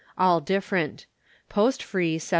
All different. Post free, 7d.